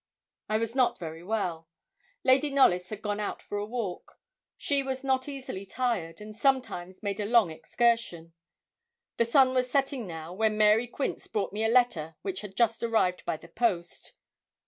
I was not very well. Lady Knollys had gone out for a walk. She was not easily tired, and sometimes made a long excursion. The sun was setting now, when Mary Quince brought me a letter which had just arrived by the post.